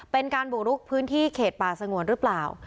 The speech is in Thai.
เป็นการบุกลุกพื้นที่เขตป่าสงวนหรือเปล่า